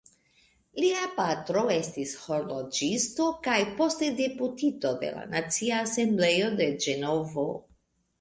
Lia patro estis horloĝisto kaj poste deputito de la Nacia Asembleo de Ĝenovo.